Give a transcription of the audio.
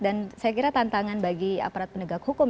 dan saya kira tantangan bagi aparat penegak hukum